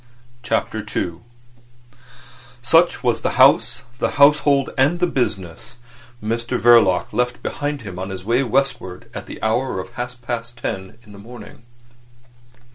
CHAPTER II Such was the house, the household, and the business Mr Verloc left behind him on his way westward at the hour of half past ten in the morning.